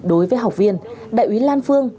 đối với học viên đại úy lan phương